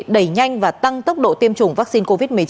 đẩy nhanh và tăng tốc độ tiêm chủng vaccine covid một mươi chín